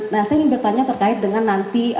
nah saya ingin bertanya terkait dengan nanti